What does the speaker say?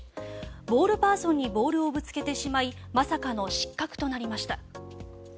ボールパーソンにボールをぶつけてしまいまさかの失格となりました。